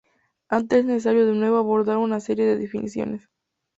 Antes es necesario, de nuevo, abordar una serie de definiciones.